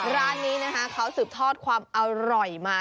ร้านนี้นะคะเขาสืบทอดความอร่อยมา